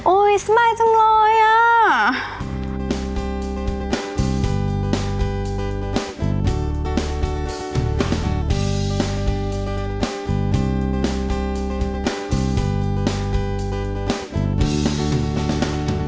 โอ้ยสม่ายจังเลยอะ